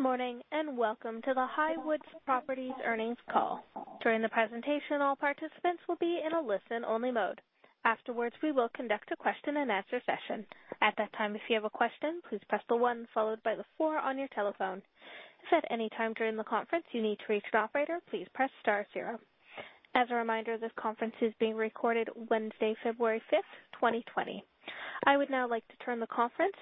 Good morning, welcome to the Highwoods Properties earnings call. During the presentation, all participants will be in a listen-only mode. Afterwards, we will conduct a question-and-answer session. At that time, if you have a question, please press the one followed by the four on your telephone. If at any time during the conference, you need to reach an operator, please press star zero. As a reminder, this conference is being recorded Wednesday, February fifth, 2020. I would now like to turn the conference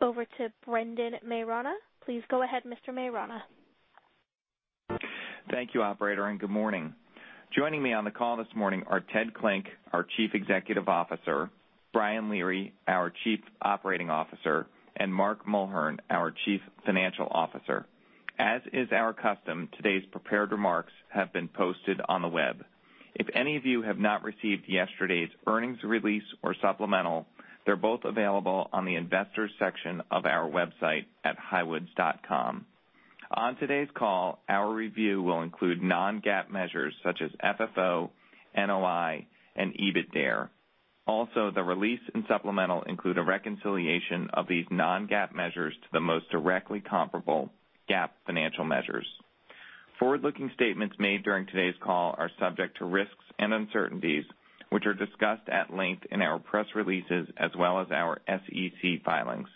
over to Brendan Maiorana. Please go ahead, Mr. Maiorana. Thank you, operator, and good morning. Joining me on the call this morning are Ted Klinck, our Chief Executive Officer, Brian Leary, our Chief Operating Officer, and Mark Mulhern, our Chief Financial Officer. As is our custom, today's prepared remarks have been posted on the web. If any of you have not received yesterday's earnings release or supplemental, they're both available on the investors section of our website at highwoods.com. On today's call, our review will include non-GAAP measures such as FFO, NOI, and EBITDARE. Also, the release and supplemental include a reconciliation of these non-GAAP measures to the most directly comparable GAAP financial measures. Forward-looking statements made during today's call are subject to risks and uncertainties, which are discussed at length in our press releases as well as our SEC filings.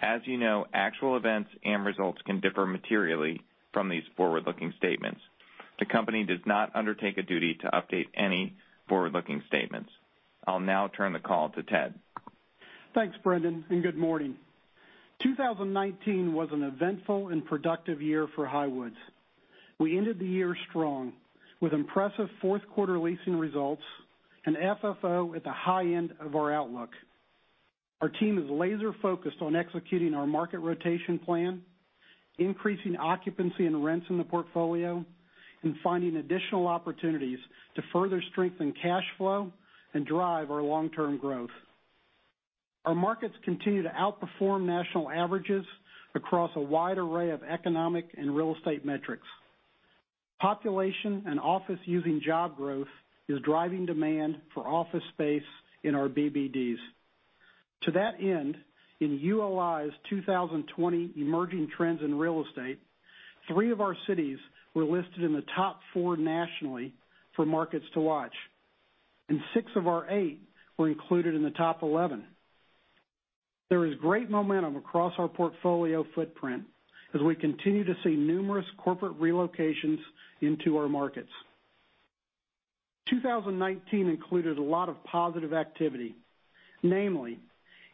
As you know, actual events and results can differ materially from these forward-looking statements. The company does not undertake a duty to update any forward-looking statements. I'll now turn the call to Ted. Thanks, Brendan, and good morning. 2019 was an eventful and productive year for Highwoods. We ended the year strong, with impressive fourth-quarter leasing results and FFO at the high end of our outlook. Our team is laser-focused on executing our market rotation plan, increasing occupancy and rents in the portfolio, and finding additional opportunities to further strengthen cash flow and drive our long-term growth. Our markets continue to outperform national averages across a wide array of economic and real estate metrics. Population and office-using job growth is driving demand for office space in our BBDs. To that end, in ULI's 2020 Emerging Trends in Real Estate, three of our cities were listed in the top four nationally for markets to watch, and six of our eight were included in the top 11. There is great momentum across our portfolio footprint as we continue to see numerous corporate relocations into our markets. 2019 included a lot of positive activity, namely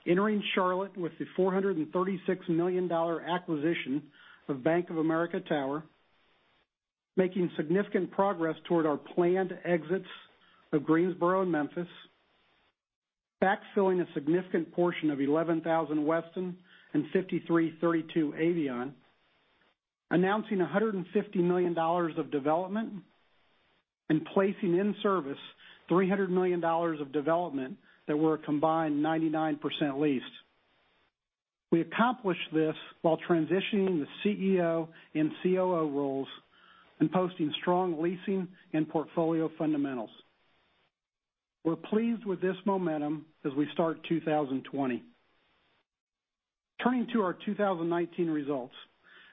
entering Charlotte with the $436 million acquisition of Bank of America Tower, making significant progress toward our planned exits of Greensboro and Memphis, backfilling a significant portion of 11000 Weston and 5332 Avion, announcing $150 million of development, and placing in service $300 million of development that were a combined 99% leased. We accomplished this while transitioning the CEO and COO roles and posting strong leasing and portfolio fundamentals. We're pleased with this momentum as we start 2020. Turning to our 2019 results,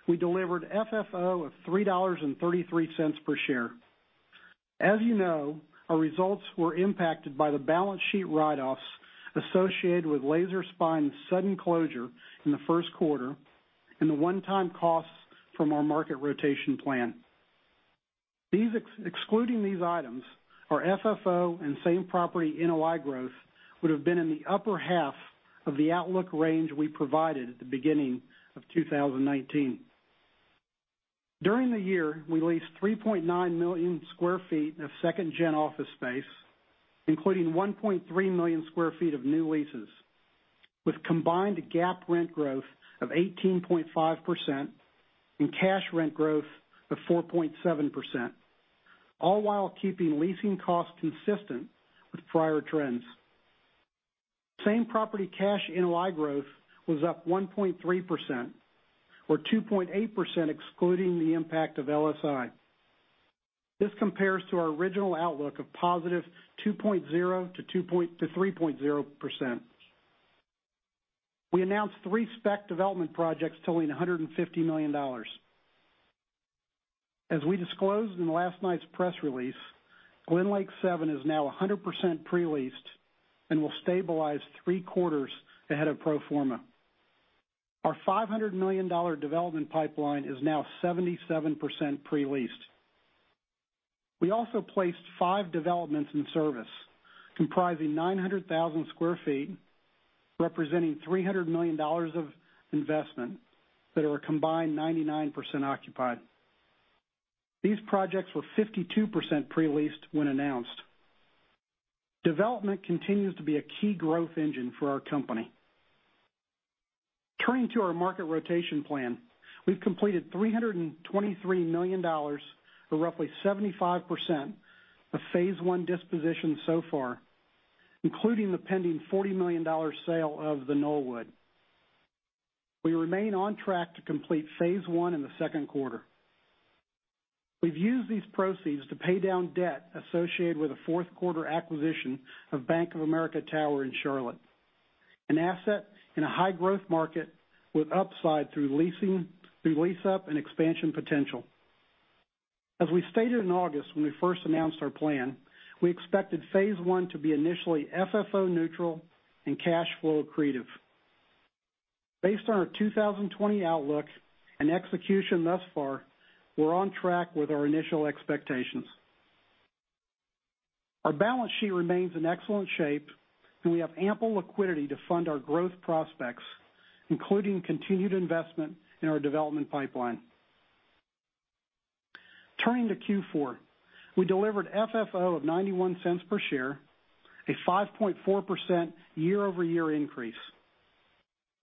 we delivered FFO of $3.33 per share. As you know, our results were impacted by the balance sheet write-offs associated with Laser Spine's sudden closure in the first quarter and the one-time costs from our market rotation plan. Excluding these items, our FFO and same-property NOI growth would have been in the upper half of the outlook range we provided at the beginning of 2019. During the year, we leased 3.9 million sq ft of second-gen office space, including 1.3 million sq ft of new leases, with combined GAAP rent growth of 18.5% and cash rent growth of 4.7%, all while keeping leasing costs consistent with prior trends. Same-property cash NOI growth was up 1.3%, or 2.8% excluding the impact of LSI. This compares to our original outlook of positive 2.0%-3.0%. We announced three spec development projects totaling $150 million. As we disclosed in last night's press release, Glenlake Seven is now 100% pre-leased and will stabilize three quarters ahead of pro forma. Our $500 million development pipeline is now 77% pre-leased. We also placed five developments in service comprising 900,000 sq ft, representing $300 million of investment that are a combined 99% occupied. These projects were 52% pre-leased when announced. Development continues to be a key growth engine for our company. Turning to our market rotation plan, we've completed $323 million, or roughly 75%, of phase I dispositions so far, including the pending $40 million sale of The Knollwood. We remain on track to complete phase I in the second quarter. We've used these proceeds to pay down debt associated with the fourth quarter acquisition of Bank of America Tower in Charlotte, an asset in a high-growth market with upside through lease-up and expansion potential. As we stated in August when we first announced our plan, we expected phase I to be initially FFO neutral and cash flow accretive. Based on our 2020 outlook and execution thus far, we're on track with our initial expectations. Our balance sheet remains in excellent shape. We have ample liquidity to fund our growth prospects, including continued investment in our development pipeline. Turning to Q4, we delivered FFO of $0.91 per share, a 5.4% year-over-year increase.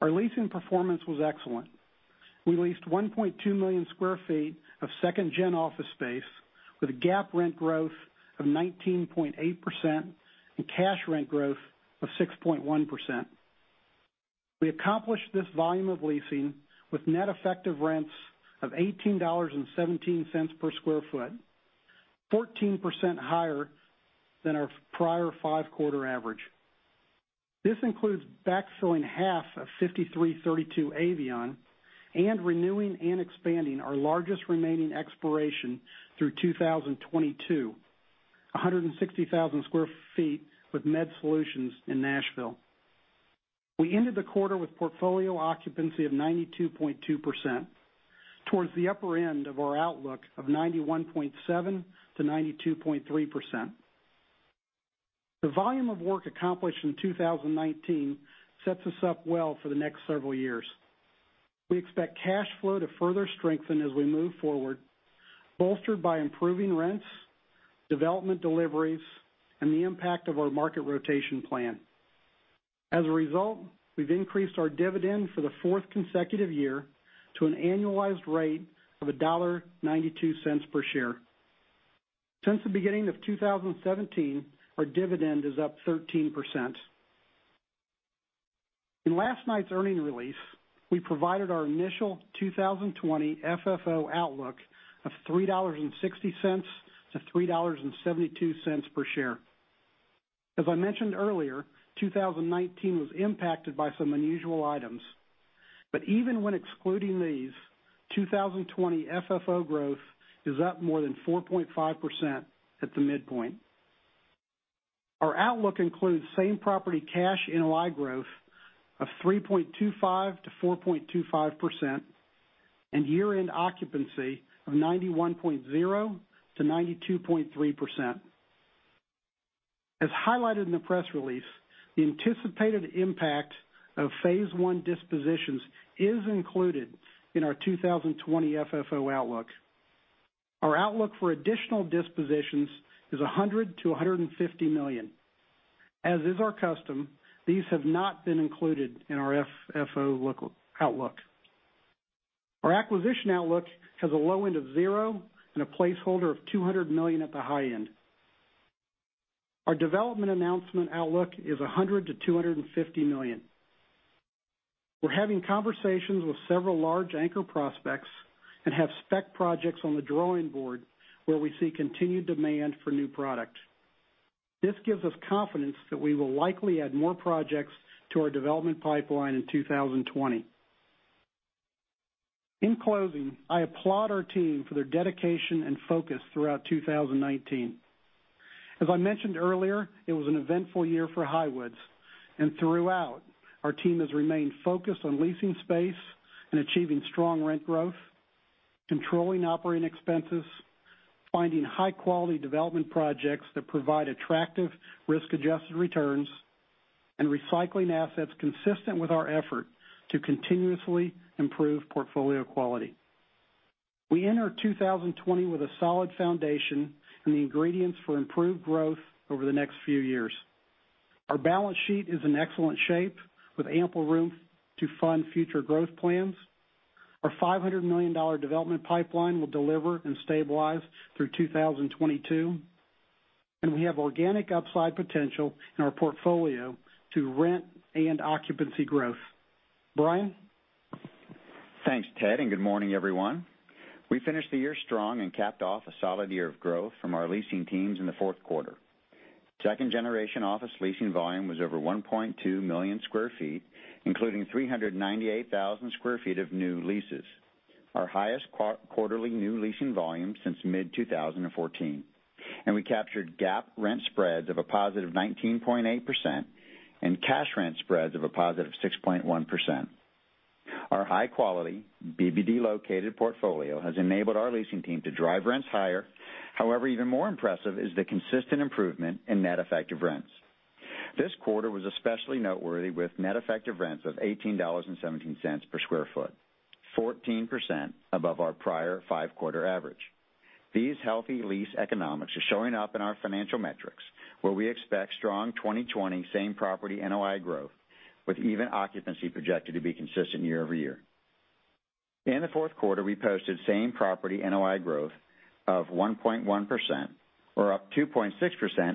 Our leasing performance was excellent. We leased 1.2 million sq ft of second-gen office space with GAAP rent growth of 19.8% and cash rent growth of 6.1%. We accomplished this volume of leasing with net effective rents of $18.17 per sq ft, 14% higher than our prior five-quarter average. This includes backfilling half of 5332 Avion and renewing and expanding our largest remaining expiration through 2022, 160,000 sq ft with MedSolutions in Nashville. We ended the quarter with portfolio occupancy of 92.2%, towards the upper end of our outlook of 91.7%-92.3%. The volume of work accomplished in 2019 sets us up well for the next several years. We expect cash flow to further strengthen as we move forward, bolstered by improving rents, development deliveries, and the impact of our market rotation plan. As a result, we've increased our dividend for the fourth consecutive year to an annualized rate of $1.92 per share. Since the beginning of 2017, our dividend is up 13%. In last night's earnings release, we provided our initial 2020 FFO outlook of $3.60-$3.72 per share. As I mentioned earlier, 2019 was impacted by some unusual items. Even when excluding these, 2020 FFO growth is up more than 4.5% at the midpoint. Our outlook includes same-property cash NOI growth of 3.25%-4.25%, and year-end occupancy of 91.0%-92.3%. As highlighted in the press release, the anticipated impact of phase I dispositions is included in our 2020 FFO outlook. Our outlook for additional dispositions is $100 million-$150 million. As is our custom, these have not been included in our FFO outlook. Our acquisition outlook has a low end of zero and a placeholder of $200 million at the high end. Our development announcement outlook is $100 million-$250 million. We're having conversations with several large anchor prospects and have spec projects on the drawing board where we see continued demand for new product. This gives us confidence that we will likely add more projects to our development pipeline in 2020. In closing, I applaud our team for their dedication and focus throughout 2019. As I mentioned earlier, it was an eventful year for Highwoods, and throughout, our team has remained focused on leasing space and achieving strong rent growth, controlling operating expenses, finding high-quality development projects that provide attractive risk-adjusted returns, and recycling assets consistent with our effort to continuously improve portfolio quality. We enter 2020 with a solid foundation and the ingredients for improved growth over the next few years. Our balance sheet is in excellent shape with ample room to fund future growth plans. Our $500 million development pipeline will deliver and stabilize through 2022, and we have organic upside potential in our portfolio to rent and occupancy growth. Brian? Thanks, Ted. Good morning, everyone. We finished the year strong and capped off a solid year of growth from our leasing teams in the fourth quarter. Second-generation office leasing volume was over 1.2 million sq ft, including 398,000 sq ft of new leases, our highest quarterly new leasing volume since mid-2014. We captured GAAP rent spreads of a positive 19.8% and cash rent spreads of a positive 6.1%. Our high-quality BBD-located portfolio has enabled our leasing team to drive rents higher. Even more impressive is the consistent improvement in net effective rents. This quarter was especially noteworthy with net effective rents of $18.17 per sq ft, 14% above our prior five-quarter average. These healthy lease economics are showing up in our financial metrics, where we expect strong 2020 same-property NOI growth with even occupancy projected to be consistent year-over-year. In the fourth quarter, we posted same-property NOI growth of 1.1%, or up 2.6%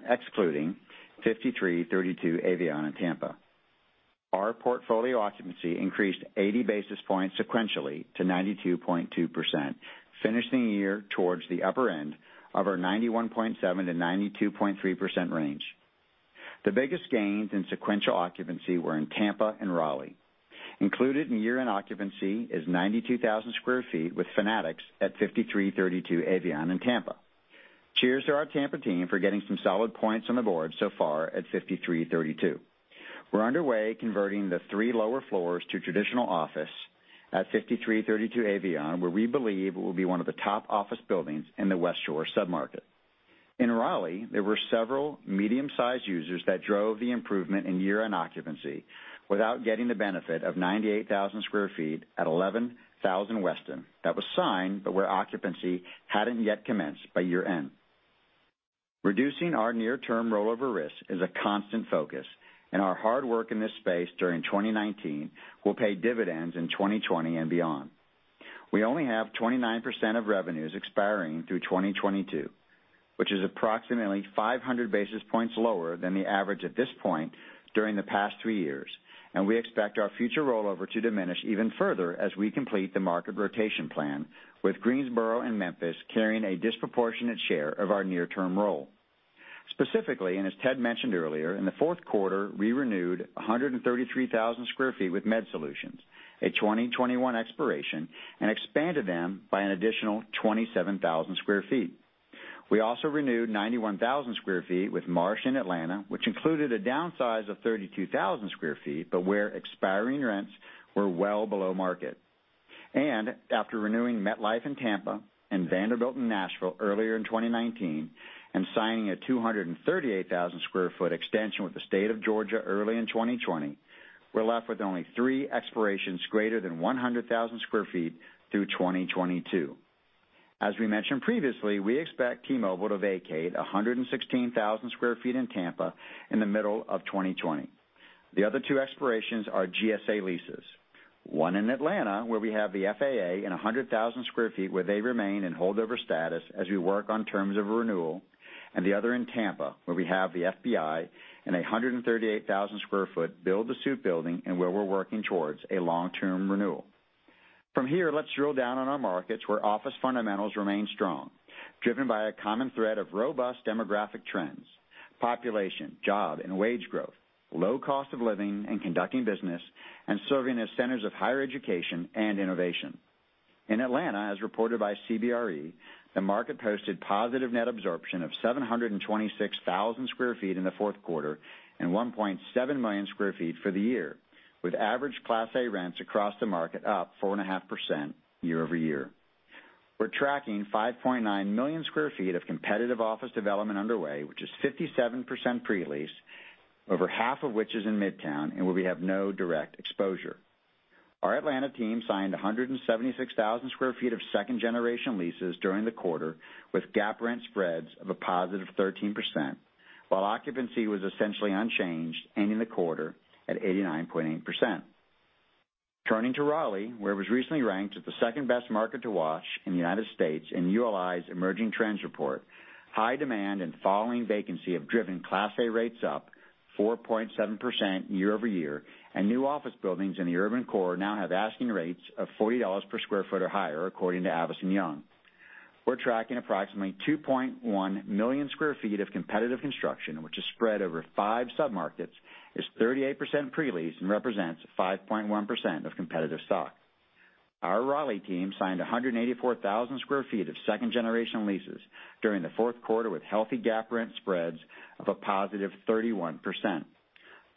excluding 5332 Avion in Tampa. Our portfolio occupancy increased 80 basis points sequentially to 92.2%, finishing the year towards the upper end of our 91.7%-92.3% range. The biggest gains in sequential occupancy were in Tampa and Raleigh. Included in year-end occupancy is 92,000 sq ft with Fanatics at 5332 Avion in Tampa. Cheers to our Tampa team for getting some solid points on the board so far at 5332. We're underway converting the three lower floors to traditional office at 5332 Avion, where we believe it will be one of the top office buildings in the Westshore sub-market. In Raleigh, there were several medium-sized users that drove the improvement in year-end occupancy without getting the benefit of 98,000 sq ft at 11000 Weston. That was signed, but where occupancy hadn't yet commenced by year-end. Reducing our near-term rollover risk is a constant focus, and our hard work in this space during 2019 will pay dividends in 2020 and beyond. We only have 29% of revenues expiring through 2022, which is approximately 500 basis points lower than the average at this point during the past three years. We expect our future rollover to diminish even further as we complete the market rotation plan, with Greensboro and Memphis carrying a disproportionate share of our near-term roll. Specifically, and as Ted mentioned earlier, in the fourth quarter, we renewed 133,000 sq ft with MedSolutions, a 2021 expiration, and expanded them by an additional 27,000 sq ft. We also renewed 91,000 sq ft with Marsh in Atlanta, which included a downsize of 32,000 sq ft, but where expiring rents were well below market. After renewing MetLife in Tampa and Vanderbilt in Nashville earlier in 2019 and signing a 238,000 sq ft extension with the State of Georgia early in 2020, we're left with only three expirations greater than 100,000 sq ft through 2022. As we mentioned previously, we expect T-Mobile to vacate 116,000 sq ft in Tampa in the middle of 2020. The other two expirations are GSA leases, one in Atlanta where we have the FAA and 100,000 sq ft where they remain in holdover status as we work on terms of a renewal, and the other in Tampa, where we have the FBI and a 138,000 sq ft build-to-suit building and where we're working towards a long-term renewal. From here, let's drill down on our markets where office fundamentals remain strong, driven by a common thread of robust demographic trends, population, job, and wage growth, low cost of living and conducting business, and serving as centers of higher education and innovation. In Atlanta, as reported by CBRE, the market posted positive net absorption of 726,000 sq ft in the fourth quarter and 1.7 million sq ft for the year, with average Class A rents across the market up 4.5% year-over-year. We're tracking 5.9 million sq ft of competitive office development underway, which is 57% pre-leased, over half of which is in Midtown and where we have no direct exposure. Our Atlanta team signed 176,000 sq ft of second-generation leases during the quarter with GAAP rent spreads of a positive 13%, while occupancy was essentially unchanged, ending the quarter at 89.8%. Turning to Raleigh, where it was recently ranked as the second-best market to watch in the U.S. in ULI's Emerging Trends Report. High demand and falling vacancy have driven Class A rates up 4.7% year-over-year, and new office buildings in the urban core now have asking rates of $40 per sq ft or higher, according to Avison Young. We're tracking approximately 2.1 million sq ft of competitive construction, which is spread over five sub-markets, is 38% pre-leased, and represents 5.1% of competitive stock. Our Raleigh team signed 184,000 sq ft of second-generation leases during the fourth quarter with healthy GAAP rent spreads of a +31%.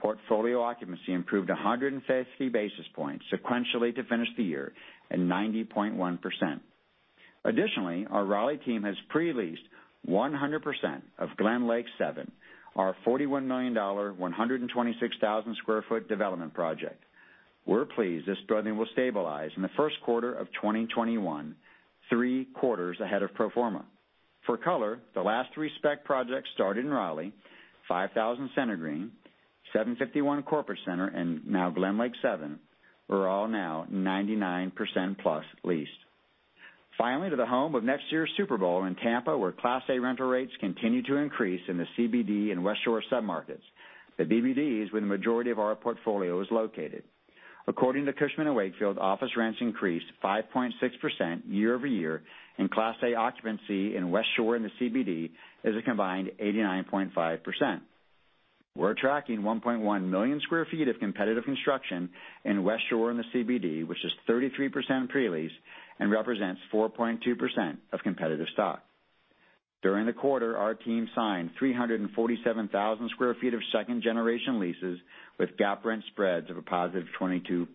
Portfolio occupancy improved 150 basis points sequentially to finish the year at 90.1%. Additionally, our Raleigh team has pre-leased 100% of Glenlake Seven, our $41 million, 126,000 sq ft development project. We're pleased this building will stabilize in the first quarter of 2021, three quarters ahead of pro forma. For color, the last three spec projects started in Raleigh, 5,000 Center Green, 751 Corporate Center, and now Glenlake Seven, were all now 99% plus leased. Finally, to the home of next year's Super Bowl in Tampa, where Class A rental rates continue to increase in the CBD and Westshore sub-markets, the BBDs where the majority of our portfolio is located. According to Cushman & Wakefield, office rents increased 5.6% year-over-year, Class A occupancy in Westshore and the CBD is a combined 89.5%. We're tracking 1.1 million sq ft of competitive construction in Westshore and the CBD, which is 33% pre-leased and represents 4.2% of competitive stock. During the quarter, our team signed 347,000 sq ft of second-generation leases with GAAP rent spreads of a +22%.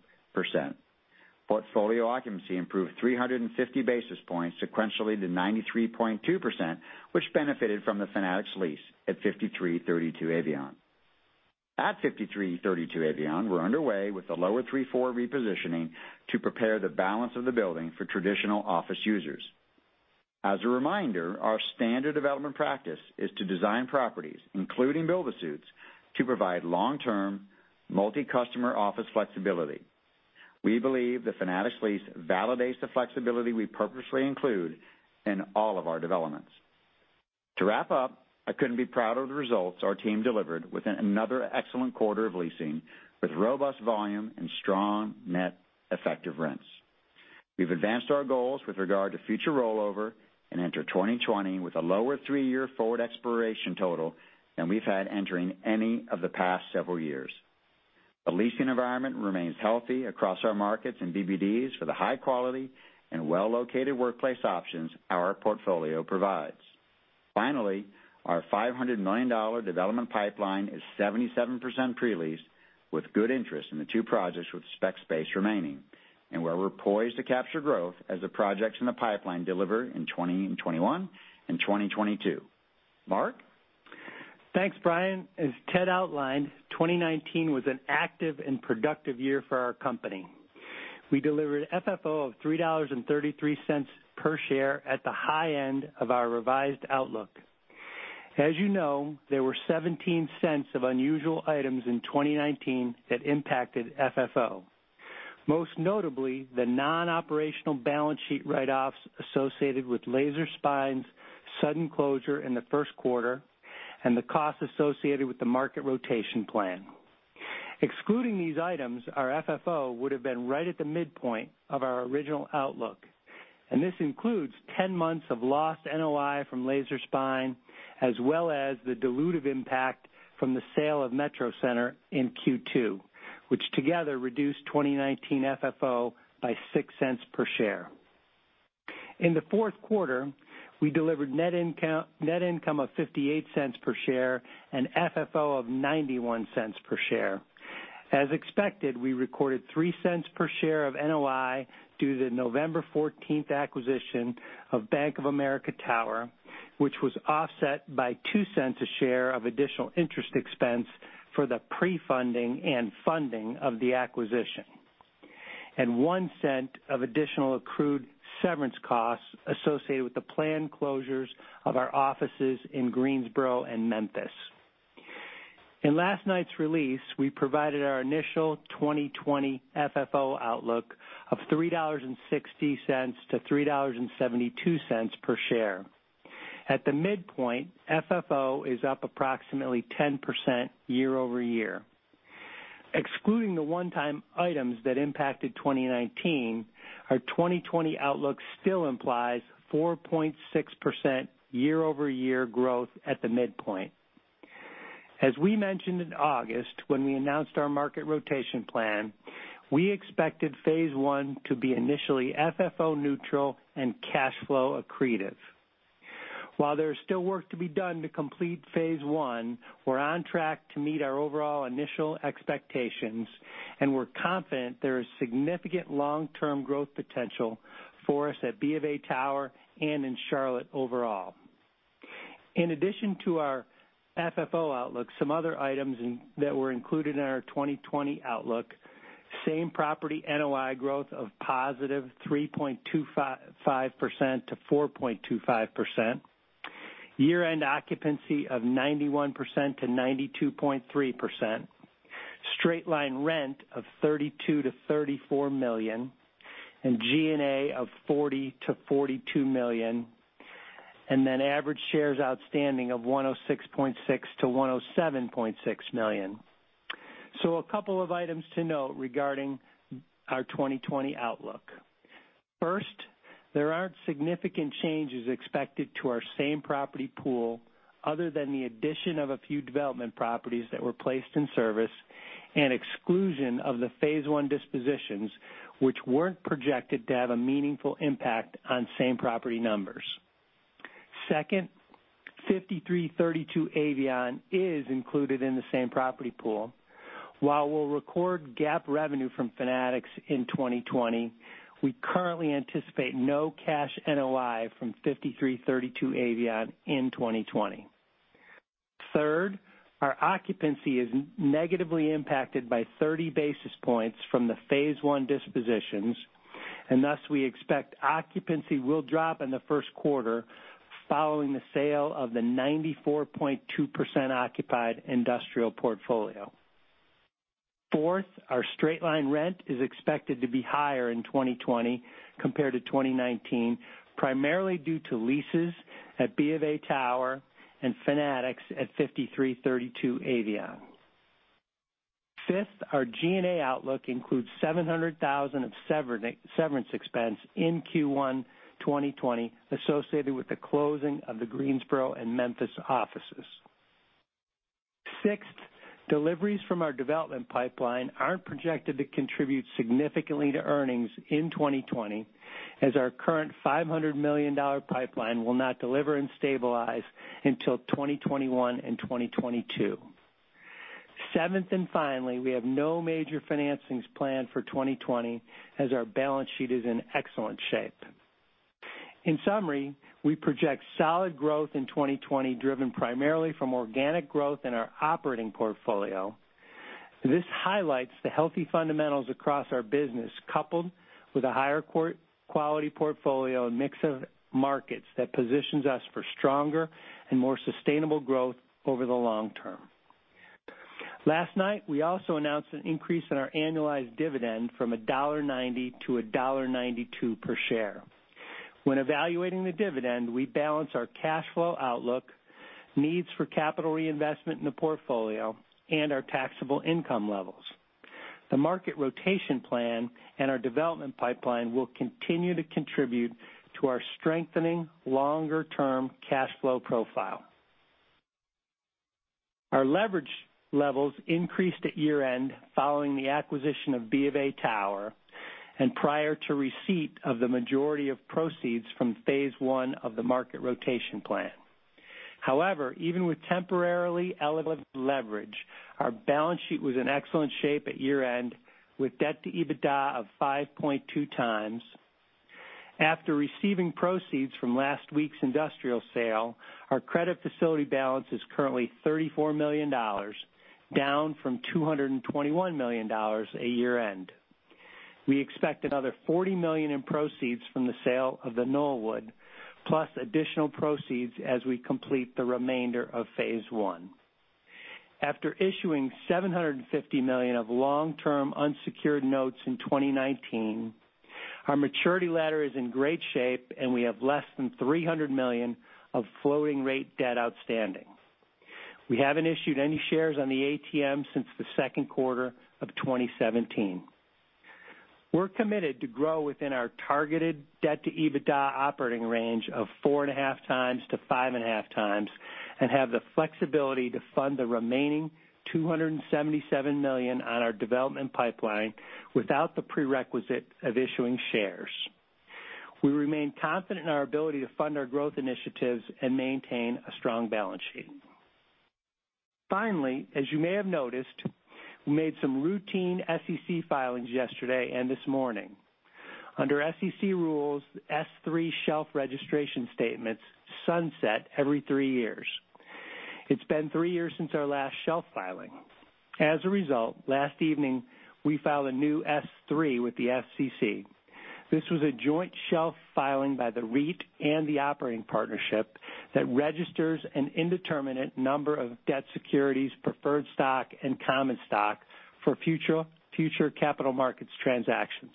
Portfolio occupancy improved 350 basis points sequentially to 93.2%, which benefited from the Fanatics lease at 5332 Avion. At 5332 Avion, we're underway with the lower three floor repositioning to prepare the balance of the building for traditional office users. As a reminder, our standard development practice is to design properties, including build-to-suits, to provide long-term multi-customer office flexibility. We believe the Fanatics lease validates the flexibility we purposely include in all of our developments. To wrap up, I couldn't be prouder of the results our team delivered with another excellent quarter of leasing, with robust volume and strong net effective rents. We've advanced our goals with regard to future rollover and enter 2020 with a lower three-year forward expiration total than we've had entering any of the past several years. The leasing environment remains healthy across our markets and BBDs for the high quality and well-located workplace options our portfolio provides. Finally, our $500 million development pipeline is 77% pre-leased, with good interest in the two projects with spec space remaining. Where we're poised to capture growth as the projects in the pipeline deliver in 2021 and 2022. Mark? Thanks, Brian. As Ted outlined, 2019 was an active and productive year for our company. We delivered an FFO of $3.33 per share at the high end of our revised outlook. As you know, there were $0.17 of unusual items in 2019 that impacted FFO. Most notably, the non-operational balance sheet write-offs associated with Laser Spine's sudden closure in the first quarter, and the cost associated with the market rotation plan. Excluding these items, our FFO would have been right at the midpoint of our original outlook. This includes 10 months of lost NOI from Laser Spine, as well as the dilutive impact from the sale of Metro Center in Q2. Which together reduced 2019 FFO by $0.06 per share. In the fourth quarter, we delivered net income of $0.58 per share and FFO of $0.91 per share. As expected, we recorded $0.03 per share of NOI due to the November 14th acquisition of Bank of America Tower, which was offset by $0.02 a share of additional interest expense for the pre-funding and funding of the acquisition. One cent of additional accrued severance costs associated with the planned closures of our offices in Greensboro and Memphis. In last night's release, we provided our initial 2020 FFO outlook of $3.60-$3.72 per share. At the midpoint, FFO is up approximately 10% year-over-year. Excluding the one-time items that impacted 2019, our 2020 outlook still implies 4.6% year-over-year growth at the midpoint. As we mentioned in August when we announced our market rotation plan, we expected phase I to be initially FFO neutral and cash flow accretive. While there is still work to be done to complete phase I, we're on track to meet our overall initial expectations, and we're confident there is significant long-term growth potential for us at B of A Tower and in Charlotte overall. In addition to our FFO outlook, some other items that were included in our 2020 outlook, same property NOI growth of positive 3.25%-4.25%. Year-end occupancy of 91%-92.3%. Straight line rent of $32 million-$34 million, and G&A of $40 million-$42 million. Average shares outstanding of 106.6 million-107.6 million. A couple of items to note regarding our 2020 outlook. First, there aren't significant changes expected to our same property pool other than the addition of a few development properties that were placed in service, and exclusion of the phase I dispositions, which weren't projected to have a meaningful impact on same property numbers. Second, 5332 Avion is included in the same property pool. While we'll record GAAP revenue from Fanatics in 2020, we currently anticipate no cash NOI from 5332 Avion in 2020. Third, our occupancy is negatively impacted by 30 basis points from the phase I dispositions, and thus we expect occupancy will drop in the first quarter following the sale of the 94.2% occupied industrial portfolio. Fourth, our straight-line rent is expected to be higher in 2020 compared to 2019, primarily due to leases at B of A Tower and Fanatics at 5332 Avion. Fifth, our G&A outlook includes $700,000 of severance expense in Q1 2020 associated with the closing of the Greensboro and Memphis offices. Sixth, deliveries from our development pipeline aren't projected to contribute significantly to earnings in 2020, as our current $500 million pipeline will not deliver and stabilize until 2021 and 2022. Seventh and finally, we have no major financings planned for 2020, as our balance sheet is in excellent shape. In summary, we project solid growth in 2020, driven primarily from organic growth in our operating portfolio. This highlights the healthy fundamentals across our business, coupled with a higher quality portfolio and mix of markets that positions us for stronger and more sustainable growth over the long term. Last night, we also announced an increase in our annualized dividend from $1.90 to $1.92 per share. When evaluating the dividend, we balance our cash flow outlook, needs for capital reinvestment in the portfolio, and our taxable income levels. The market rotation plan and our development pipeline will continue to contribute to our strengthening longer-term cash flow profile. Our leverage levels increased at year-end following the acquisition of Bank of America Tower and prior to receipt of the majority of proceeds from phase I of the market rotation plan. However, even with temporarily elevated leverage, our balance sheet was in excellent shape at year-end, with debt to EBITDA of 5.2x. After receiving proceeds from last week's industrial sale, our credit facility balance is currently $34 million, down from $221 million at year-end. We expect another $40 million in proceeds from the sale of the Knollwood, plus additional proceeds as we complete the remainder of phase I. After issuing $750 million of long-term unsecured notes in 2019, our maturity ladder is in great shape, and we have less than $300 million of floating rate debt outstanding. We haven't issued any shares on the ATM since the second quarter of 2017. We're committed to grow within our targeted debt to EBITDA operating range of 4.5x-5.5x and have the flexibility to fund the remaining $277 million on our development pipeline without the prerequisite of issuing shares. We remain confident in our ability to fund our growth initiatives and maintain a strong balance sheet. Finally, as you may have noticed, we made some routine SEC filings yesterday and this morning. Under SEC rules, S-3 shelf registration statements sunset every three years. It's been three years since our last shelf filing. As a result, last evening, we filed a new S-3 with the SEC. This was a joint shelf filing by the REIT and the operating partnership that registers an indeterminate number of debt securities, preferred stock, and common stock for future capital markets transactions.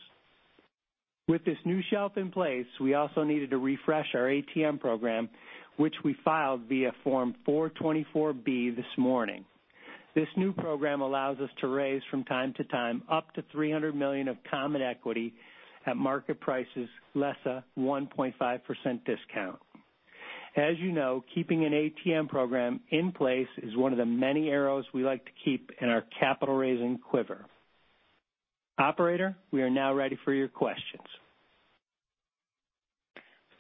With this new shelf in place, we also needed to refresh our ATM program, which we filed via Form 424 this morning. This new program allows us to raise from time to time up to $300 million of common equity at market prices, less a 1.5% discount. As you know, keeping an ATM program in place is one of the many arrows we like to keep in our capital-raising quiver. Operator, we are now ready for your questions.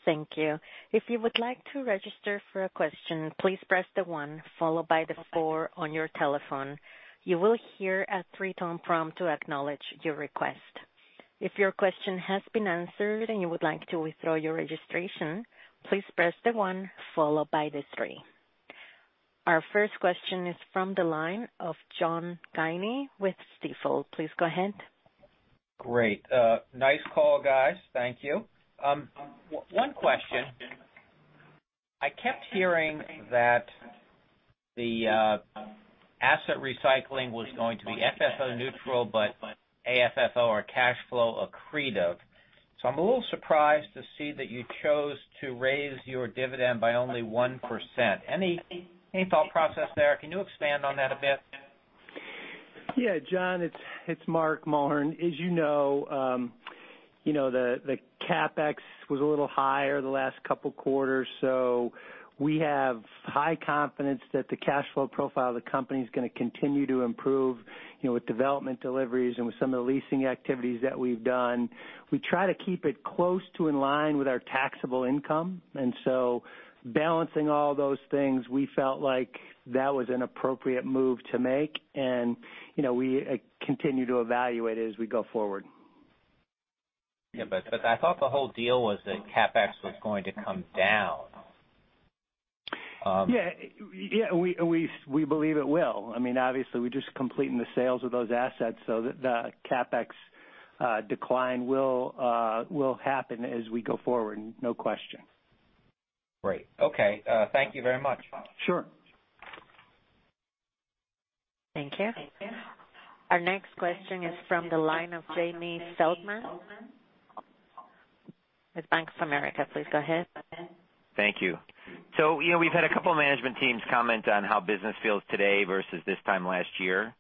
Thank you. If you would like to register for a question, please press the one followed by the four on your telephone. You will hear a three-tone prompt to acknowledge your request. If your question has been answered and you would like to withdraw your registration, please press the one followed by the three. Our first question is from the line of John Guinee with Stifel. Please go ahead. Great. Nice call, guys. Thank you. One question. I kept hearing that the asset recycling was going to be FFO neutral but AFFO or cash flow accretive. I'm a little surprised to see that you chose to raise your dividend by only 1%. Any thought process there? Can you expand on that a bit? Yeah. John, it's Mark Mulhern. As you know, the CapEx was a little higher the last couple of quarters. We have high confidence that the cash flow profile of the company is going to continue to improve with development deliveries and with some of the leasing activities that we've done. We try to keep it close to in line with our taxable income. Balancing all those things, we felt like that was an appropriate move to make, and we continue to evaluate it as we go forward. Yeah, I thought the whole deal was that CapEx was going to come down. Yeah. We believe it will. Obviously, we're just completing the sales of those assets, so the CapEx decline will happen as we go forward. No question. Great. Okay. Thank you very much. Sure. Thank you. Our next question is from the line of Jamie Feldman with Bank of America. Please go ahead. Thank you. We've had a couple of management teams comment on how business feels today versus this time last year.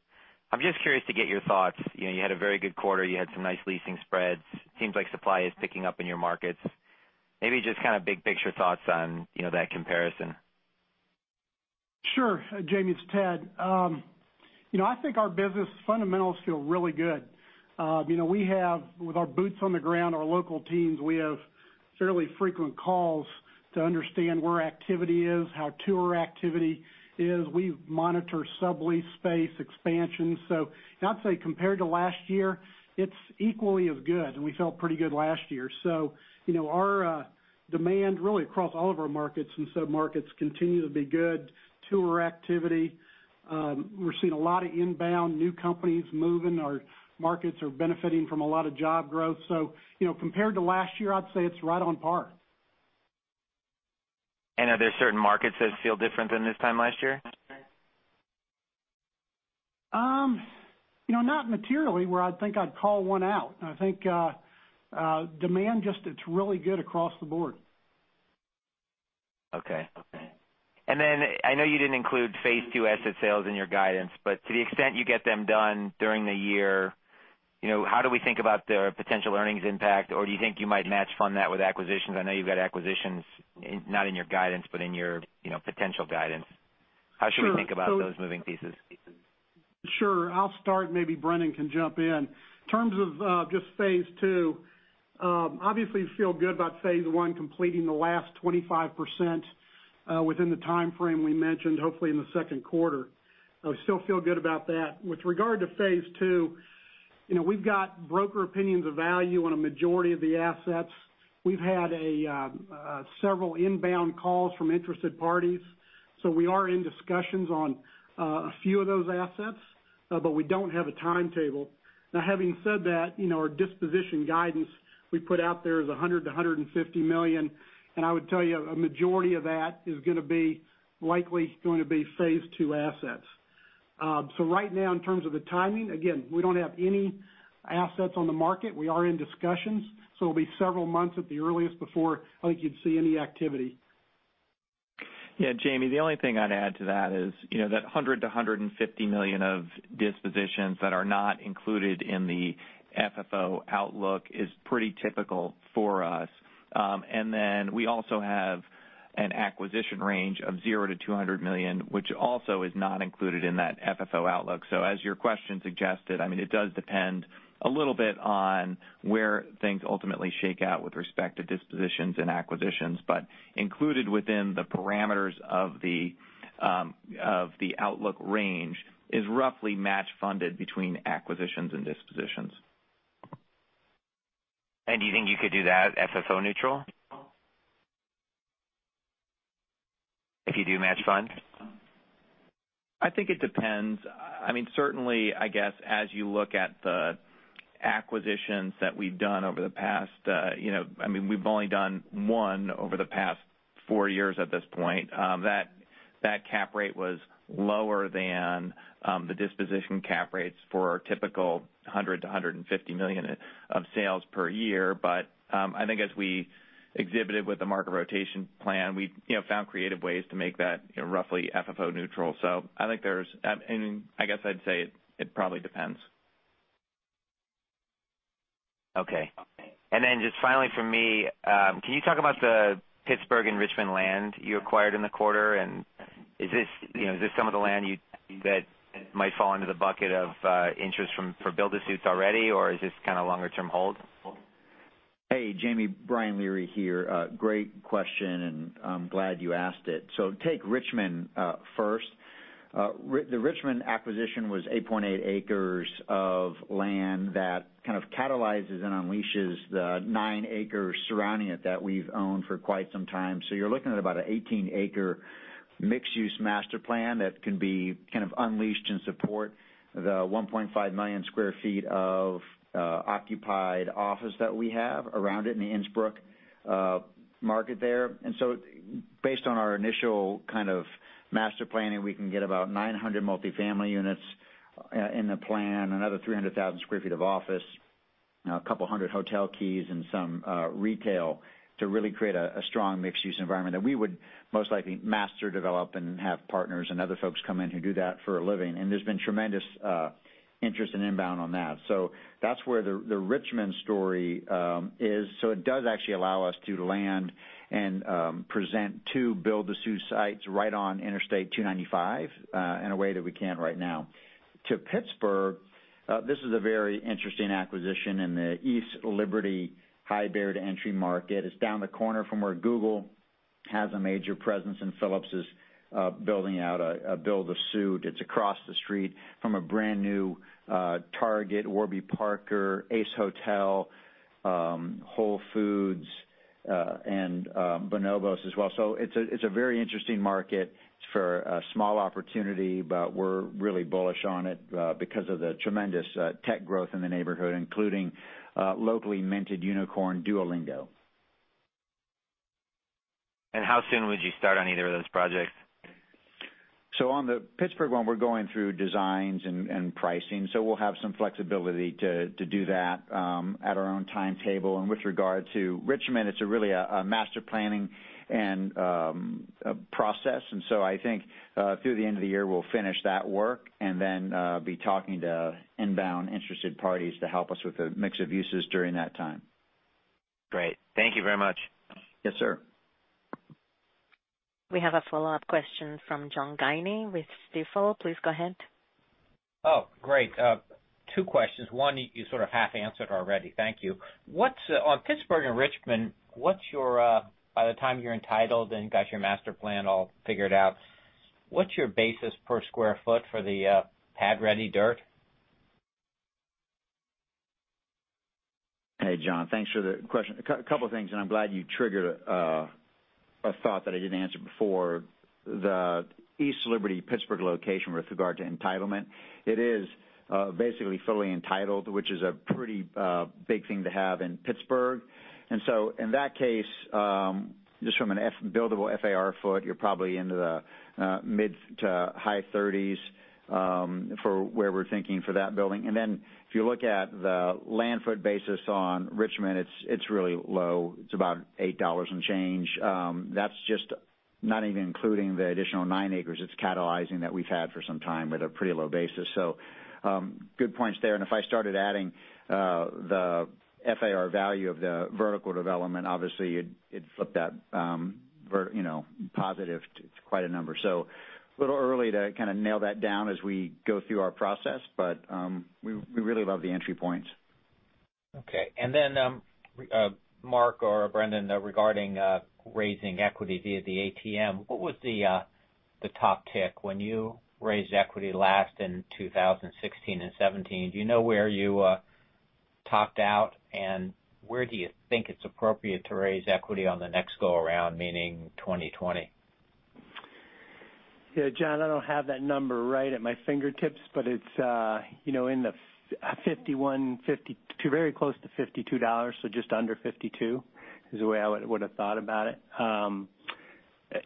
I'm just curious to get your thoughts. You had a very good quarter. You had some nice leasing spreads. Seems like supply is picking up in your markets. Maybe just kind of big picture thoughts on that comparison. Sure, Jamie, it's Ted. I think our business fundamentals feel really good. With our boots on the ground, our local teams, we have fairly frequent calls to understand where activity is, how tour activity is. We monitor sublease space expansion. I'd say compared to last year, it's equally as good, and we felt pretty good last year. Our demand really across all of our markets and sub-markets continue to be good. Tour activity. We're seeing a lot of inbound new companies moving. Our markets are benefiting from a lot of job growth. Compared to last year, I'd say it's right on par. Are there certain markets that feel different than this time last year? Not materially where I think I'd call one out. I think demand, just it's really good across the board. Okay. I know you didn't include phase two asset sales in your guidance, but to the extent you get them done during the year, how do we think about their potential earnings impact? Do you think you might match fund that with acquisitions? I know you've got acquisitions, not in your guidance, but in your potential guidance. Sure. How should we think about those moving pieces? Sure. I'll start, maybe Brendan can jump in. In terms of just phase II, obviously feel good about phase I completing the last 25% within the timeframe we mentioned, hopefully in the second quarter. I still feel good about that. With regard to phase II, we've got broker opinions of value on a majority of the assets. We've had several inbound calls from interested parties. We are in discussions on a few of those assets. We don't have a timetable. Now, having said that, our disposition guidance we put out there is $100 million-$150 million, and I would tell you a majority of that is likely going to be phase II assets. Right now in terms of the timing, again, we don't have any assets on the market. We are in discussions, so it'll be several months at the earliest before, I think you'd see any activity. Yeah, Jamie, the only thing I'd add to that is that $100 million-$150 million of dispositions that are not included in the FFO outlook is pretty typical for us. We also have an acquisition range of $0-$200 million, which also is not included in that FFO outlook. As your question suggested, it does depend a little bit on where things ultimately shake out with respect to dispositions and acquisitions. Included within the parameters of the outlook range is roughly match funded between acquisitions and dispositions. Do you think you could do that FFO neutral? If you do match funds. I think it depends. Certainly, I guess as you look at the acquisitions that we've done over the past We've only done one over the past four years at this point. That cap rate was lower than the disposition cap rates for our typical $100 million-$150 million of sales per year. I think as we exhibited with the market rotation plan, we found creative ways to make that roughly FFO neutral. I guess I'd say it probably depends. Okay. Then just finally from me, can you talk about the Pittsburgh and Richmond land you acquired in the quarter? Is this some of the land that might fall under the bucket of interest for build-to-suits already, or is this kind of longer-term hold? Hey, Jamie. Brian Leary here. Great question. I'm glad you asked it. Take Richmond first. The Richmond acquisition was 8.8 acres of land that kind of catalyzes and unleashes the nine acres surrounding it that we've owned for quite some time. You're looking at about an 18-acre mixed-use master plan that can be kind of unleashed and support the 1.5 million sq ft of occupied office that we have around it in the Innsbrook market there. Based on our initial kind of master planning, we can get about 900 multi-family units in the plan, another 300,000 sq ft of office, 200 hotel keys and some retail to really create a strong mixed-use environment that we would most likely master develop and have partners and other folks come in who do that for a living. There's been tremendous interest and inbound on that. That's where the Richmond story is. It does actually allow us to land and present two build to suit sites right on Interstate 295 in a way that we can't right now. To Pittsburgh, this is a very interesting acquisition in the East Liberty/Highland Park market. It's down the corner from where Google has a major presence, and Philips is building out a build to suit. It's across the street from a brand-new Target, Warby Parker, Ace Hotel, Whole Foods, and Bonobos as well. It's a very interesting market for a small opportunity, but we're really bullish on it because of the tremendous tech growth in the neighborhood, including locally minted unicorn Duolingo. How soon would you start on either of those projects? On the Pittsburgh one, we're going through designs and pricing, so we'll have some flexibility to do that at our own timetable. With regard to Richmond, it's really a master planning and process. I think through the end of the year, we'll finish that work and then be talking to inbound interested parties to help us with a mix of uses during that time. Great. Thank you very much. Yes, sir. We have a follow-up question from John Guinee with Stifel. Please go ahead. Oh, great. Two questions. One, you sort of half answered already. Thank you. On Pittsburgh and Richmond, by the time you're entitled and got your master plan all figured out, what's your basis per square feett for the pad-ready dirt? Hey, John. Thanks for the question. A couple of things. I'm glad you triggered a thought that I didn't answer before. The East Liberty Pittsburgh location with regard to entitlement, it is basically fully entitled, which is a pretty big thing to have in Pittsburgh. In that case, just from a buildable FAR foot, you're probably into the mid to high 30s for where we're thinking for that building. If you look at the land foot basis on Richmond, it's really low. It's about $8 and change. That's just not even including the additional 9 acres it's catalyzing that we've had for some time at a pretty low basis. Good points there. If I started adding the FAR value of the vertical development, obviously you'd flip that positive to quite a number. A little early to kind of nail that down as we go through our process. We really love the entry points. Okay. Then, Mark or Brendan, regarding raising equity via the ATM, what was the top tick when you raised equity last in 2016 and 2017? Do you know where you topped out, and where do you think it's appropriate to raise equity on the next go-around, meaning 2020? Yeah, John, I don't have that number right at my fingertips, but it's in the $51, very close to $52, so just under $52 is the way I would've thought about it.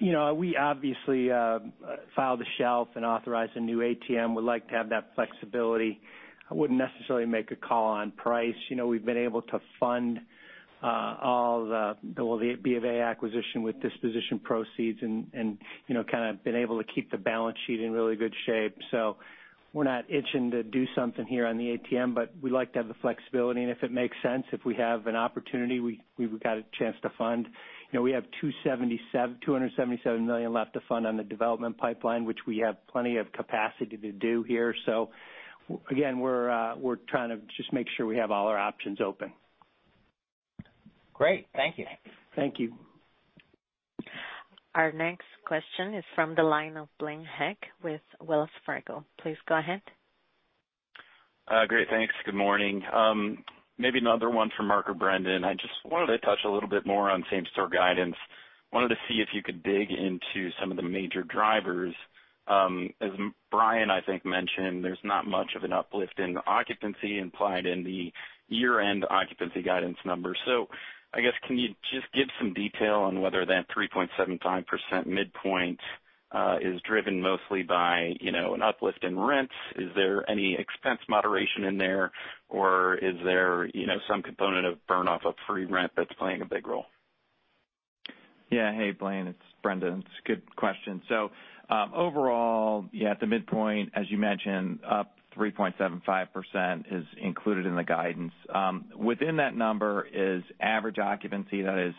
We obviously filed a shelf and authorized a new ATM. We'd like to have that flexibility. I wouldn't necessarily make a call on price. We've been able to fund all the BofA acquisition with disposition proceeds and kind of been able to keep the balance sheet in really good shape. We're not itching to do something here on the ATM, but we like to have the flexibility, and if it makes sense, if we have an opportunity, we've got a chance to fund. We have $277 million left to fund on the development pipeline, which we have plenty of capacity to do here. Again, we're trying to just make sure we have all our options open. Great. Thank you. Thank you. Our next question is from the line of Blaine Heck with Wells Fargo. Please go ahead. Great. Thanks. Good morning. Maybe another one for Mark or Brendan. I just wanted to touch a little bit more on same-store guidance. Wanted to see if you could dig into some of the major drivers. As Brian, I think, mentioned, there's not much of an uplift in occupancy implied in the year-end occupancy guidance numbers. I guess, can you just give some detail on whether that 3.75% midpoint is driven mostly by an uplift in rents? Is there any expense moderation in there, or is there some component of burn-off of free rent that's playing a big role? Yeah. Hey, Blaine, it's Brendan. It's a good question. Overall, yeah, at the midpoint, as you mentioned, up 3.75% is included in the guidance. Within that number is average occupancy that is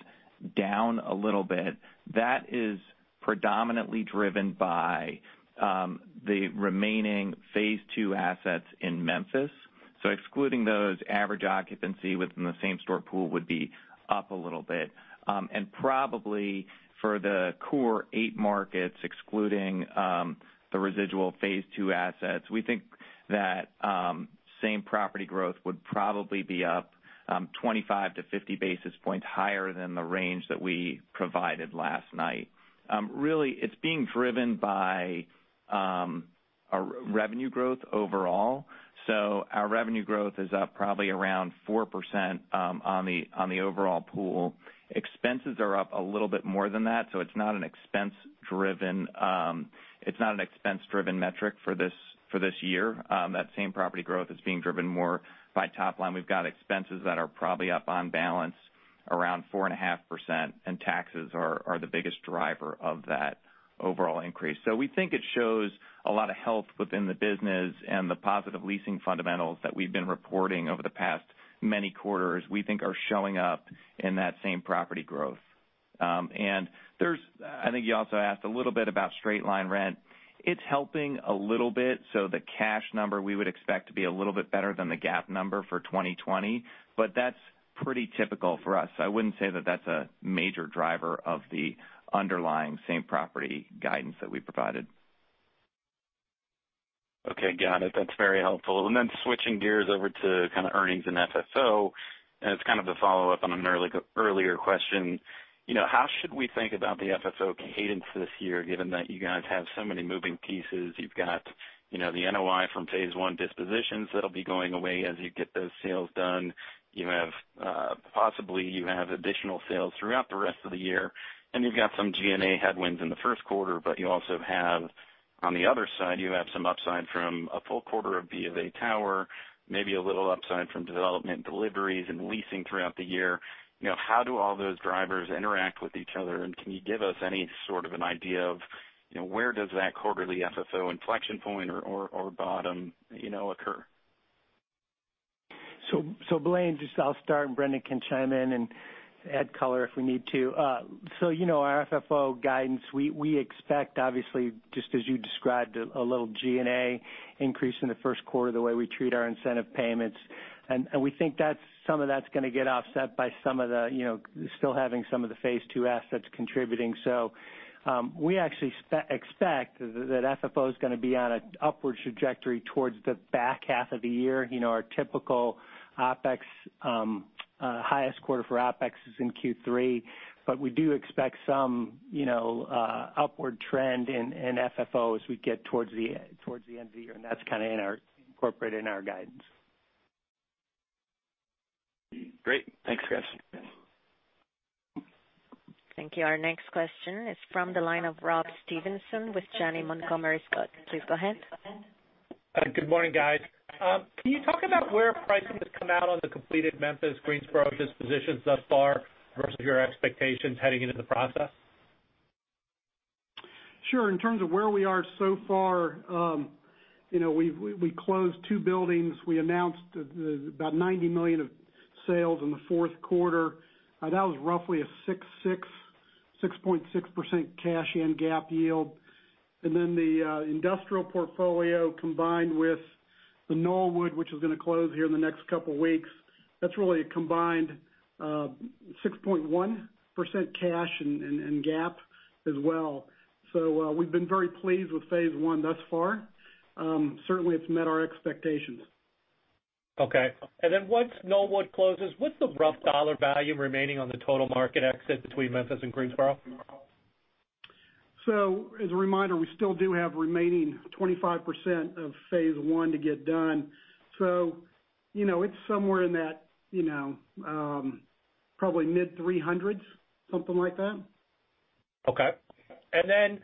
down a little bit. That is predominantly driven by the remaining phase II assets in Memphis. Excluding those, average occupancy within the same-store pool would be up a little bit. Probably for the core eight markets, excluding the residual phase II assets, we think that same-property growth would probably be up 25-50 basis points higher than the range that we provided last night. Really, it's being driven by our revenue growth overall. Our revenue growth is up probably around 4% on the overall pool. Expenses are up a little bit more than that, so it's not an expense-driven metric for this year. That same property growth is being driven more by top line. We've got expenses that are probably up on balance around 4.5%, and taxes are the biggest driver of that overall increase. We think it shows a lot of health within the business and the positive leasing fundamentals that we've been reporting over the past many quarters, we think are showing up in that same property growth. I think you also asked a little bit about straight-line rent. It's helping a little bit. The cash number we would expect to be a little bit better than the GAAP number for 2020. That's pretty typical for us. I wouldn't say that that's a major driver of the underlying same property guidance that we provided. Okay. Got it. That's very helpful. Switching gears over to kind of earnings and FFO, and it's kind of a follow-up on an earlier question. How should we think about the FFO cadence this year, given that you guys have so many moving pieces? You've got the NOI from phase I dispositions that'll be going away as you get those sales done. Possibly, you have additional sales throughout the rest of the year, and you've got some G&A headwinds in the first quarter, but you also have, on the other side, you have some upside from a full quarter of B of A Tower, maybe a little upside from development deliveries and leasing throughout the year. How do all those drivers interact with each other, and can you give us any sort of an idea of where does that quarterly FFO inflection point or bottom occur? Blaine, just I'll start, and Brendan can chime in and add color if we need to. Our FFO guidance, we expect obviously, just as you described, a little G&A increase in the first quarter, the way we treat our incentive payments. We think some of that's going to get offset by still having some of the phase II assets contributing. We actually expect that FFO is going to be on an upward trajectory towards the back half of the year. Our typical highest quarter for OpEx is in Q3. We do expect some upward trend in FFO as we get towards the end of the year, and that's kind of incorporated in our guidance. Great. Thanks, guys. Thank you. Our next question is from the line of Rob Stevenson with Janney Montgomery Scott. Please go ahead. Good morning, guys. Can you talk about where pricing has come out on the completed Memphis Greensboro dispositions thus far versus your expectations heading into the process? Sure. In terms of where we are so far, we closed two buildings. We announced about $90 million of sales in the fourth quarter. That was roughly a 6.6% cash and GAAP yield. The industrial portfolio combined with the Knollwood, which is going to close here in the next couple of weeks, that's really a combined 6.1% cash and GAAP as well. We've been very pleased with phase I thus far. Certainly, it's met our expectations. Okay. Then once Knollwood closes, what's the rough dollar value remaining on the total market exit between Memphis and Greensboro? As a reminder, we still do have remaining 25% of phase I to get done. It's somewhere in that probably mid-300s, something like that. Okay. Then,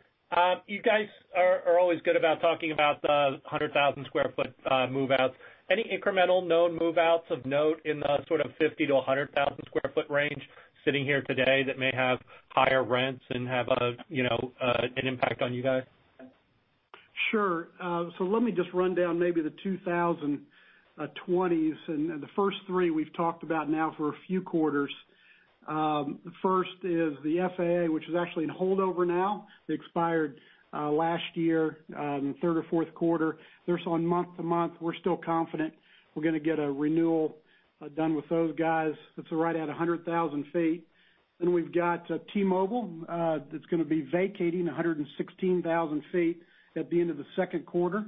you guys are always good about talking about the 100,000 sq ft move-outs. Any incremental known move-outs of note in the sort of 50,000-100,000 sq ft range sitting here today that may have higher rents and have an impact on you guys? Sure. Let me just run down maybe the 2020s, and the first three we've talked about now for a few quarters. The first is the FAA, which is actually in holdover now. It expired last year, in the third or fourth quarter. They're still on month to month. We're still confident we're going to get a renewal done with those guys. That's right at 100,000 feet. We've got T-Mobile, that's going to be vacating 116,000 feet at the end of the second quarter.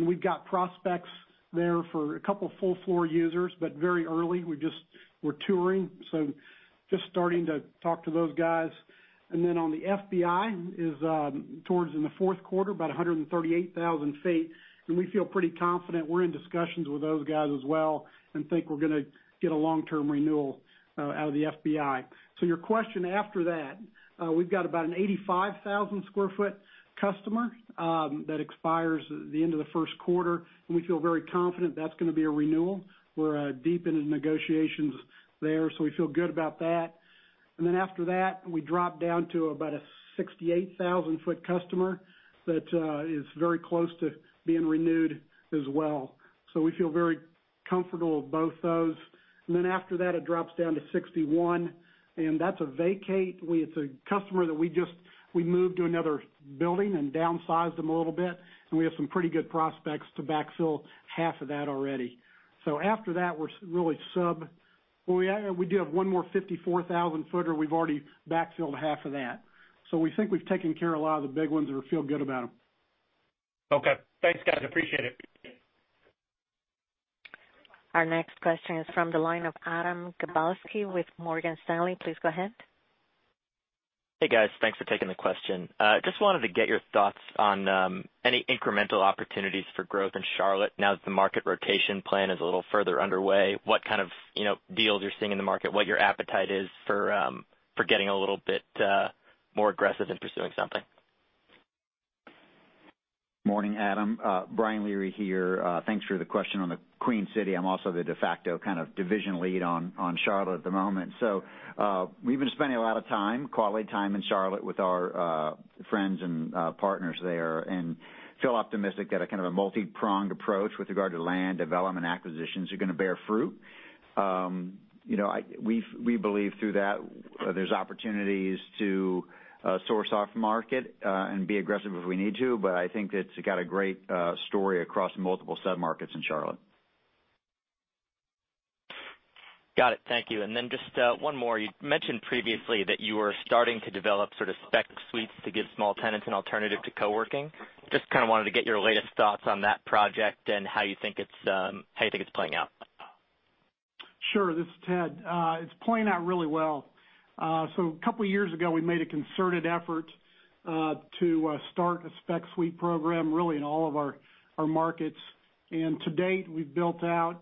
We've got prospects there for a couple of full floor users, but very early. We're touring, so just starting to talk to those guys. On the FBI is towards in the fourth quarter, about 138,000 feet, and we feel pretty confident. We're in discussions with those guys as well and think we're going to get a long-term renewal out of the FBI. Your question after that, we've got about an 85,000 sq ft customer that expires at the end of the first quarter, and we feel very confident that's going to be a renewal. We're deep into negotiations there. We feel good about that. After that, we drop down to about a 68,000-foot customer that is very close to being renewed as well. We feel very comfortable with both those. After that, it drops down to 61, and that's a vacate. It's a customer that we moved to another building and downsized them a little bit, and we have some pretty good prospects to backfill half of that already. After that, we're really well, we do have one more 54,000 footer. We've already backfilled half of that. We think we've taken care of a lot of the big ones and we feel good about them. Okay. Thanks, guys, appreciate it. Our next question is from the line of Adam Kobosky with Morgan Stanley. Please go ahead. Hey, guys. Thanks for taking the question. Just wanted to get your thoughts on any incremental opportunities for growth in Charlotte now that the market rotation plan is a little further underway. What kind of deals you're seeing in the market, what your appetite is for getting a little bit more aggressive in pursuing something? Morning, Adam. Brian Leary here. Thanks for the question on the Queen City. I'm also the de facto division lead on Charlotte at the moment. We've been spending a lot of time, quality time in Charlotte with our friends and partners there and feel optimistic that a kind of multi-pronged approach with regard to land development acquisitions are going to bear fruit. We believe through that there's opportunities to source off-market and be aggressive if we need to, but I think it's got a great story across multiple sub-markets in Charlotte. Got it. Thank you. Just one more. You mentioned previously that you were starting to develop sort of spec suites to give small tenants an alternative to co-working. Just kind of wanted to get your latest thoughts on that project and how you think it's playing out. Sure. This is Ted. It's playing out really well. A couple of years ago, we made a concerted effort to start a spec suite program really in all of our markets. To date, we've built out,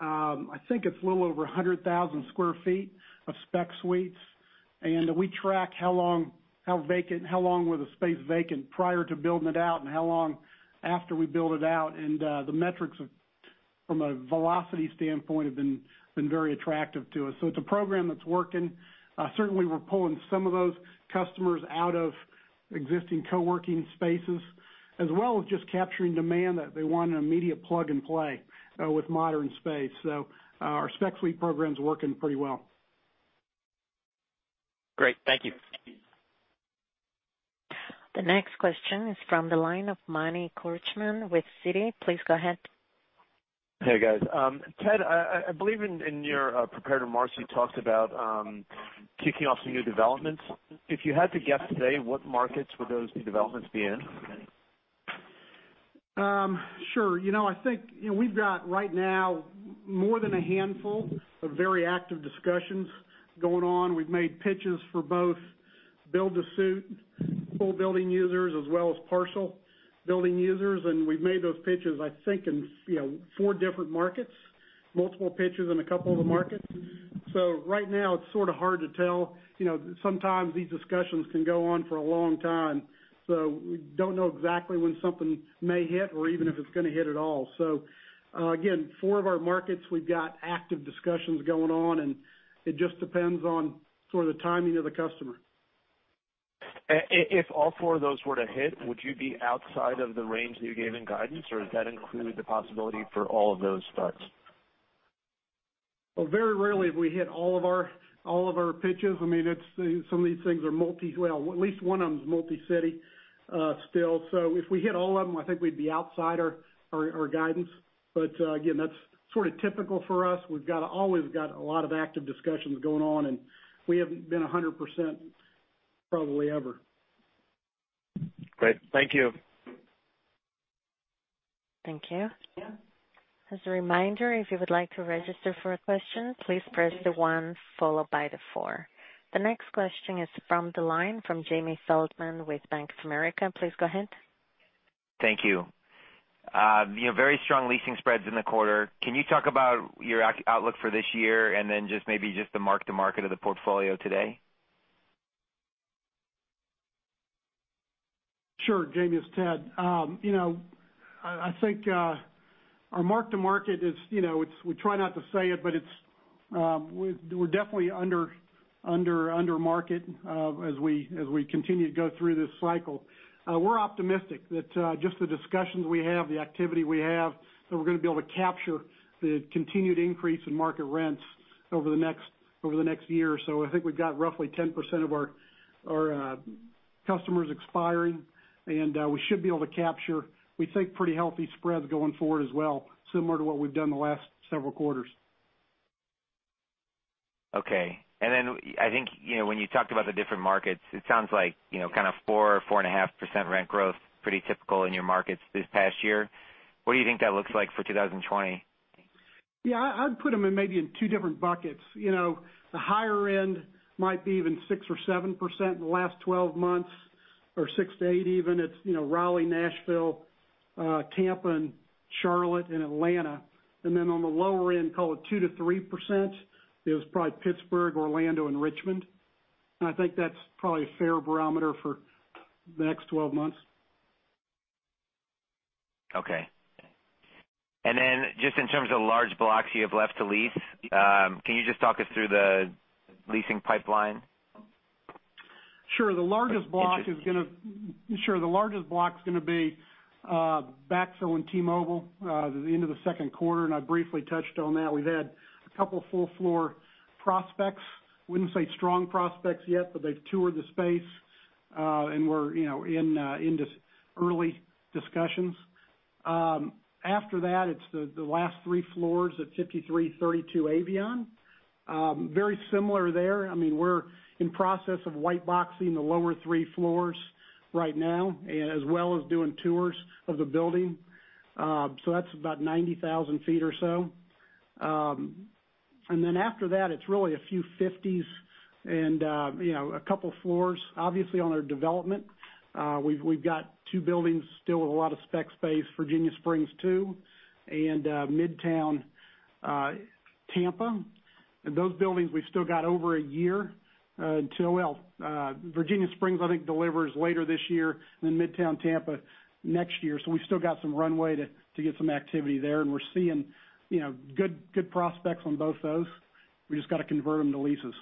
I think it's a little over 100,000 sq ft of spec suites, and we track how long was the space vacant prior to building it out and how long after we build it out, and the metrics from a velocity standpoint have been very attractive to us. It's a program that's working. Certainly, we're pulling some of those customers out of existing co-working spaces, as well as just capturing demand that they want an immediate plug and play with modern space. Our spec suite program's working pretty well. Great. Thank you. The next question is from the line of Manny Korchman with Citi. Please go ahead. Hey, guys. Ted, I believe in your prepared remarks, you talked about kicking off some new developments. If you had to guess today, what markets would those new developments be in? Sure. I think we've got right now more than a handful of very active discussions going on. We've made pitches for both Build to suit, full building users as well as partial building users, and we've made those pitches, I think, in four different markets. Multiple pitches in a couple of the markets. Right now it's sort of hard to tell. Sometimes these discussions can go on for a long time, so we don't know exactly when something may hit or even if it's going to hit at all. Again, four of our markets, we've got active discussions going on, and it just depends on sort of the timing of the customer. If all four of those were to hit, would you be outside of the range that you gave in guidance, or does that include the possibility for all of those starts? Well, very rarely have we hit all of our pitches. Some of these things are, well, at least one of them is multi-city still. If we hit all of them, I think we'd be outside our guidance. Again, that's sort of typical for us. We've always got a lot of active discussions going on, and we haven't been 100% probably ever. Great. Thank you. Thank you. As a reminder, if you would like to register for a question, please press one followed by four. The next question is from the line from Jamie Feldman with Bank of America. Please go ahead. Thank you. Very strong leasing spreads in the quarter. Can you talk about your outlook for this year and then just maybe just the mark to market of the portfolio today? Sure, Jamie. It's Ted. I think our mark to market is, we try not to say it, but we're definitely under market as we continue to go through this cycle. We're optimistic that just the discussions we have, the activity we have, that we're going to be able to capture the continued increase in market rents over the next year or so. I think we've got roughly 10% of our customers expiring, and we should be able to capture, we think, pretty healthy spreads going forward as well, similar to what we've done the last several quarters. Okay. I think when you talked about the different markets, it sounds like kind of 4% or 4.5% rent growth, pretty typical in your markets this past year. What do you think that looks like for 2020? Yeah, I'd put them in maybe in two different buckets. The higher end might be even 6% or 7% in the last 12 months, or 6-8 even. It's Raleigh, Nashville, Tampa, and Charlotte, and Atlanta. Then on the lower end, call it 2%-3%. It was probably Pittsburgh, Orlando, and Richmond. I think that's probably a fair barometer for the next 12 months. Okay. Just in terms of large blocks you have left to lease, can you just talk us through the leasing pipeline? Sure. The largest block's going to be Baxo and T-Mobile. The end of the second quarter, I briefly touched on that. We've had a couple of full floor prospects. Wouldn't say strong prospects yet, but they've toured the space, we're in the early discussions. After that, it's the last three floors at 5332 Avion. Very similar there. We're in process of white boxing the lower three floors right now, as well as doing tours of the building. That's about 90,000 feet or so. After that, it's really a few fifties and a couple of floors. Obviously, on our development, we've got two buildings still with a lot of spec space, Virginia Springs II and Midtown Tampa. Those buildings we've still got over a year until Well, Virginia Springs, I think, delivers later this year, then Midtown Tampa next year. We've still got some runway to get some activity there, and we're seeing good prospects on both those. We've just got to convert them to leases.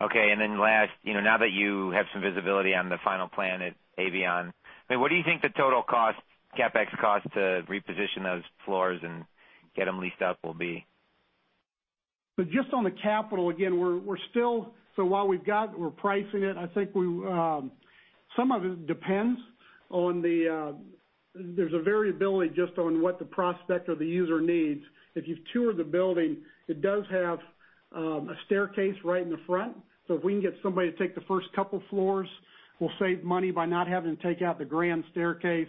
Okay. Then last, now that you have some visibility on the final plan at Avion, what do you think the total cost, CapEx cost to reposition those floors and get them leased up will be? Just on the capital, again, so while we're pricing it, some of it depends on there's a variability just on what the prospect or the user needs. If you've toured the building, it does have a staircase right in the front. If we can get somebody to take the first couple of floors, we'll save money by not having to take out the grand staircase.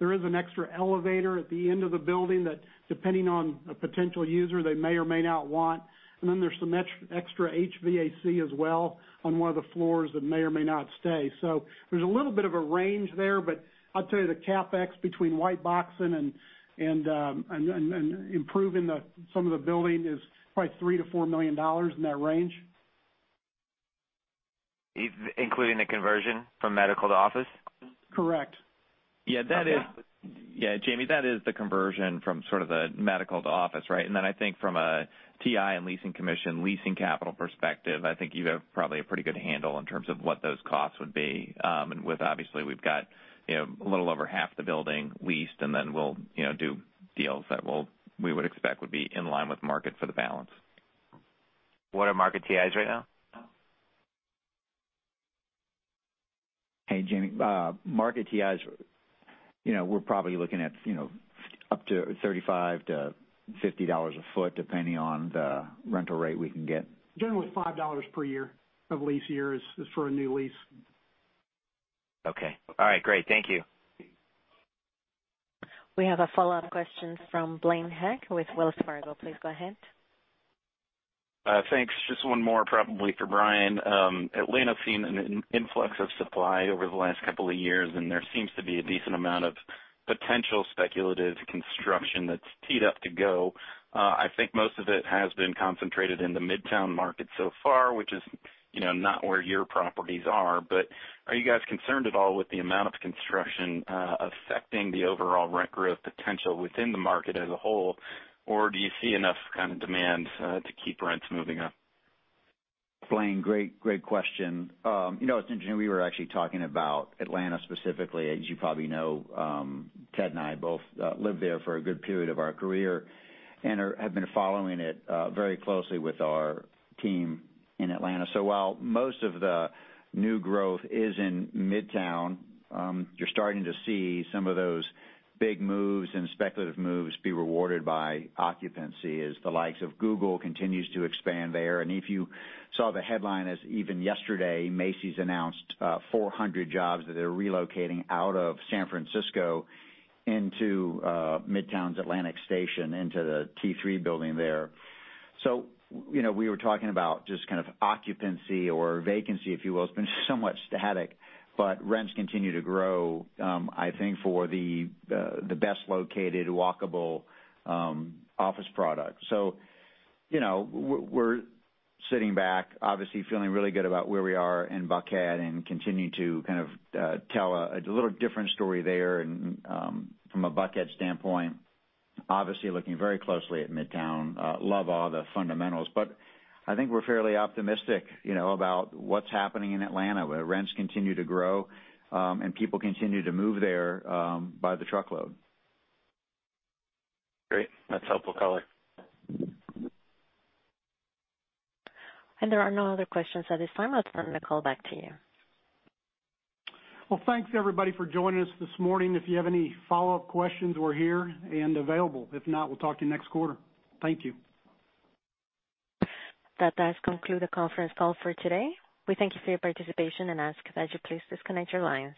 There is an extra elevator at the end of the building that depending on a potential user, they may or may not want. Then there's some extra HVAC as well on one of the floors that may or may not stay. There's a little bit of a range there, but I'll tell you the CapEx between white boxing and improving some of the building is probably $3 million-$4 million in that range. Including the conversion from medical to office? Correct. Yeah, Jamie, that is the conversion from sort of the medical to office, right? I think from a TI and leasing commission, leasing capital perspective, I think you have probably a pretty good handle in terms of what those costs would be. With obviously, we've got a little over half the building leased, then we'll do deals that we would expect would be in line with market for the balance. What are market TIs right now? Hey, Jamie. Market TIs, we're probably looking at up to $35-$50 a foot, depending on the rental rate we can get. Generally $5 per year of lease year is for a new lease. Okay. All right, great. Thank you. We have a follow-up question from Blaine Heck with Wells Fargo. Please go ahead. Thanks. Just one more probably for Brian. Atlanta's seen an influx of supply over the last couple of years. There seems to be a decent amount of potential speculative construction that's teed up to go. I think most of it has been concentrated in the Midtown market so far, which is not where your properties are. Are you guys concerned at all with the amount of construction affecting the overall rent growth potential within the market as a whole? Do you see enough kind of demand to keep rents moving up? Blaine, great question. It's interesting, we were actually talking about Atlanta specifically. As you probably know, Ted and I both lived there for a good period of our career and have been following it very closely with our team in Atlanta. While most of the new growth is in Midtown, you're starting to see some of those big moves and speculative moves be rewarded by occupancy as the likes of Google continues to expand there. If you saw the headline as even yesterday, Macy's announced 400 jobs that they're relocating out of San Francisco into Midtown's Atlantic Station, into the T3 building there. We were talking about just kind of occupancy or vacancy, if you will. It's been somewhat static, but rents continue to grow, I think, for the best-located, walkable office product. We're sitting back, obviously feeling really good about where we are in Buckhead and continue to kind of tell a little different story there from a Buckhead standpoint. Obviously looking very closely at Midtown. Love all the fundamentals, but I think we're fairly optimistic about what's happening in Atlanta, where rents continue to grow, and people continue to move there by the truckload. Great. That's helpful color. There are no other questions at this time. Let's turn the call back to you. Well, thanks, everybody, for joining us this morning. If you have any follow-up questions, we're here and available. If not, we'll talk to you next quarter. Thank you. That does conclude the conference call for today. We thank you for your participation and ask that you please disconnect your lines.